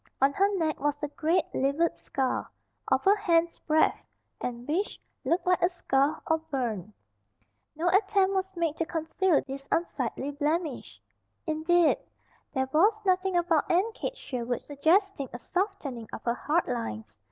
On her neck was a great, livid scar, of a hand's breadth, and which looked like a scald, or burn. No attempt was made to conceal this unsightly blemish. Indeed, there was nothing about Aunt Kate Sherwood suggesting a softening of her hard lines.